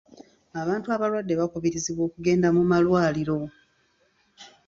Abantu abalwadde bakubirizibwa okugenda mu malwaliro.